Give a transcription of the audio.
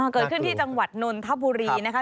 เกิดขึ้นที่จังหวัดนนทบุรีนะคะ